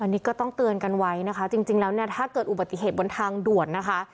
อันนี้ก็ต้องเตือนกันไว้นะคะจริงแล้วเนี่ยถ้าเกิดอุบัติเหตุบนทางด่วนนะคะ